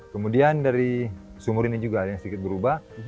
kemudian dari sumur ini juga ada yang sedikit berubah